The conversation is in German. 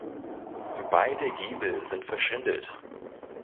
Beide Giebel sind verschindelt.